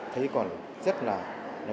thấy còn rất là